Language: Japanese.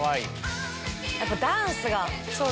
やっぱダンスが。